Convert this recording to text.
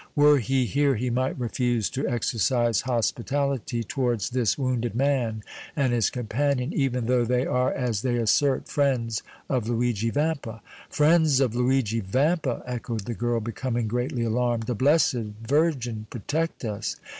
Were he here he might refuse to exercise hospitality towards this wounded man and his companion, even though they are, as they assert, friends of Luigi Vampa." "Friends of Luigi Vampa!" echoed the girl, becoming greatly alarmed. "The Blessed Virgin protect us!"